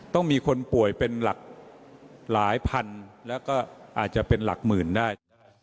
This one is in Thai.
ต้องมีคนป่วยเป็นหลักหลายพันแล้วก็อาจจะเป็นหลักหมื่นได้